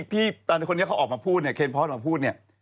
ที่ตอนนี้เขาออกมาพูดเนี่ย